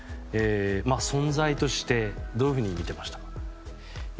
存在として、どういうふうに見てましたか？